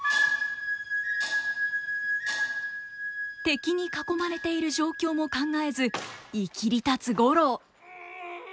敵に囲まれている状況も考えずいきりたつ五郎。